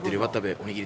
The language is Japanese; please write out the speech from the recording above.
おにぎり！